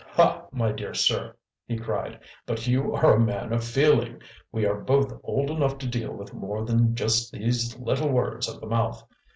"Ha, my dear sir," he cried; "but you are a man of feeling! We are both old enough to deal with more than just these little words of the mouth!